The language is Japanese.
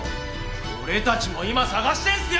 俺たちも今捜してるんですよ！